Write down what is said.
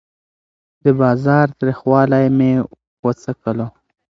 د بازار تریخوالی مې وڅکلو.